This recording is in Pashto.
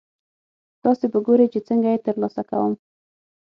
تاسې به ګورئ چې څنګه یې ترلاسه کوم.